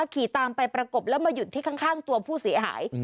ขี่ตามไปประกบแล้วมาหยุดที่ข้างตัวผู้เสียหาย